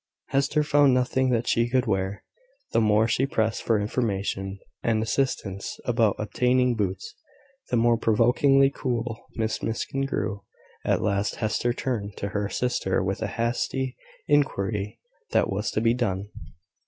Hester found nothing that she could wear. The more she pressed for information and assistance about obtaining boots, the more provokingly cool Miss Miskin grew. At last Hester turned to her sister with a hasty inquiry what was to be done.